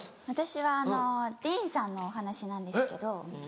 私はディーンさんのお話なんですけど。